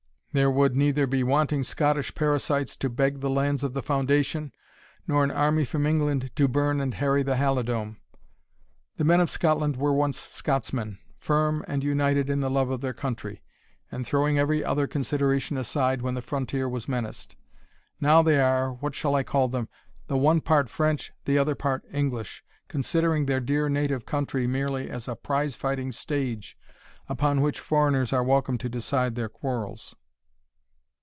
There would neither be wanting Scottish parasites to beg the lands of the foundation, nor an army from England to burn and harry the Halidome. The men of Scotland were once Scotsmen, firm and united in the love of their country, and throwing every other consideration aside when the frontier was menaced now they are what shall I call them the one part French, the other part English, considering their dear native country merely as a prize fighting stage, upon which foreigners are welcome to decide their quarrels."